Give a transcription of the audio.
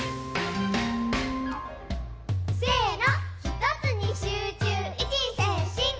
せの！